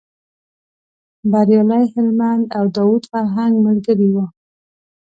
بریالی هلمند او داود فرهنګ ملګري و.